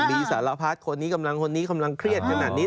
มีสารพัดคนนี้กำลังคนนี้กำลังเครียดขนาดนี้